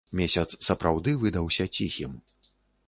Месяц сапраўды выдаўся ціхім.